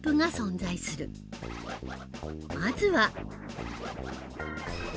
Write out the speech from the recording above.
まずは。